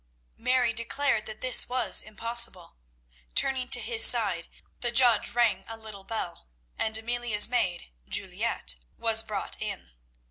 Mary declared that this was impossible. Turning to his side, the judge rang a little bell, and Amelia's maid, Juliette, was brought in.